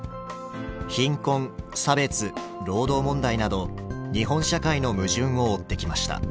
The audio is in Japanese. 貧困差別労働問題など日本社会の矛盾を追ってきました。